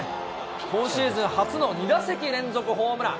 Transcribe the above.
今シーズン初の２打席連続ホームラン。